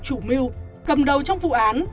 chủ mưu cầm đầu trong vụ án